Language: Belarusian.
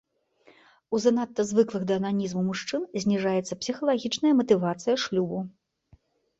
У занадта звыклых да ананізму мужчын зніжаецца псіхалагічная матывацыя шлюбу.